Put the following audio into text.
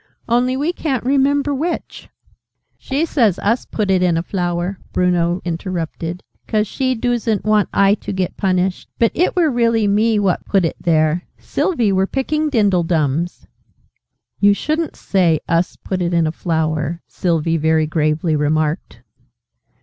"Only we ca'n't remember which!" "She says us put it in a flower," Bruno interrupted, "'cause she doosn't want I to get punished. But it were really me what put it there. Sylvie were picking Dindledums." {Image...The queen's baby} "You shouldn't say 'us put it in a flower'," Sylvie very gravely remarked.